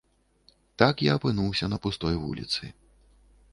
Так я апынуўся на пустой вуліцы.